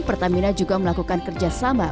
pertamina juga melakukan kerjasama